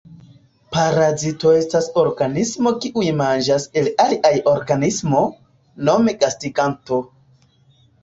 Parazito estas organismo kiuj manĝas el alia organismo, nome gastiganto.